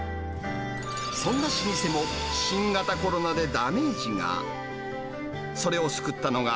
そんな老舗も、新型コロナでダメージが。